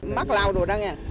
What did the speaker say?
mắc lao đồ ra nghe